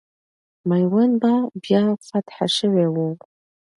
میوند به بیا فتح سوی وو.